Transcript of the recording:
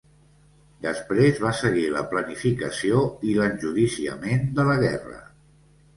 Després va seguir la planificació i l'enjudiciament de la guerra.